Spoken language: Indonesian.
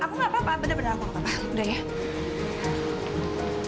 aku gak apa apa bener bener aku gak apa apa